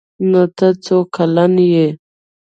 _نوته څو کلن يې؟